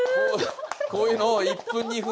こういうのを１分２分。